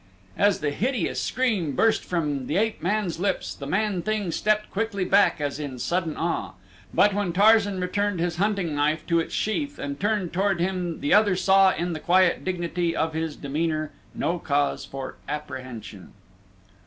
As the hideous scream burst from the ape man's lips the man thing stepped quickly back as in sudden awe, but when Tarzan returned his hunting knife to its sheath and turned toward him the other saw in the quiet dignity of his demeanor no cause for apprehension.